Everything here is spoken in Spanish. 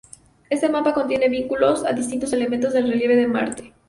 Este mapa contiene vínculos a distintos elementos del relieve de Marte.